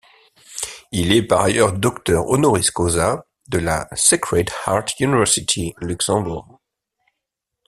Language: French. Il est par ailleurs docteur honoris causa de la Sacred Heart University Luxembourg.